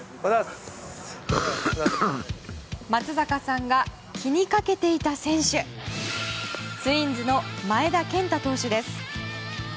松坂さんが気にかけていた選手ツインズの前田健太投手です。